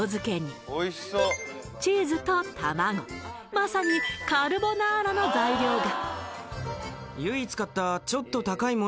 まさにカルボナーラの材料が・